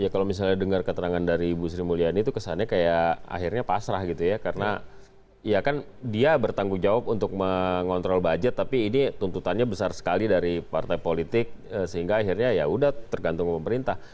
kalau misalnya dengar keterangan dari ibu sri mulyani itu kesannya kayak akhirnya pasrah gitu ya karena ya kan dia bertanggung jawab untuk mengontrol budget tapi ini tuntutannya besar sekali dari partai politik sehingga akhirnya ya udah tergantung pemerintah